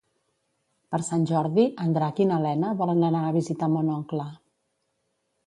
Per Sant Jordi en Drac i na Lena volen anar a visitar mon oncle.